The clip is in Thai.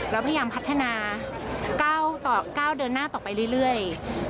แล้วพยายามพัฒนาก้าวเดินหน้าต่อไปเรื่อย